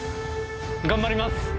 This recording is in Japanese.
頑張ります。